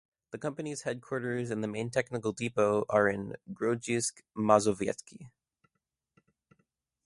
The company's headquarters and the main technical depot are in Grodzisk Mazowiecki.